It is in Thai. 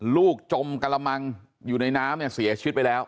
ลูกจมกระมังอยู่ในน้ำสียชีวิตไปแล้ว